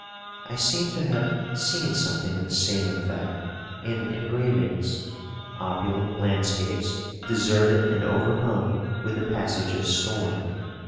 I seem to have seen something of the same effect in engravings: opulent landscapes, deserted and overhung with the passage of storm.